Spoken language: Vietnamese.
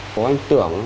có anh tưởng